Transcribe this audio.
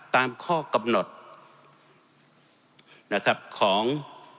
ตามข้อกำหนดนะครับของ